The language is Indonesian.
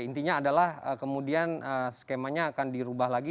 intinya adalah kemudian skemanya akan dirubah lagi